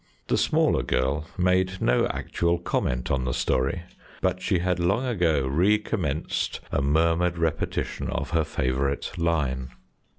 The smaller girl made no actual comment on the story, but she had long ago recommenced a murmured repetition of her favourite line.